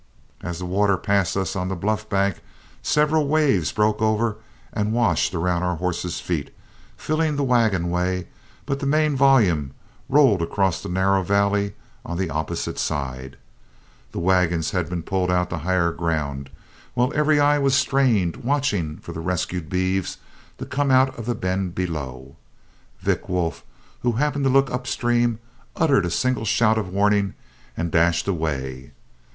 As the water passed us on the bluff bank, several waves broke over and washed around our horses' feet, filling the wagon way, but the main volume rolled across the narrow valley on the opposite side. The wagons had pulled out to higher ground, and while every eye was strained, watching for the rescued beeves to come out of the bend below, Vick Wolf, who happened to look upstream, uttered a single shout of warning and dashed away.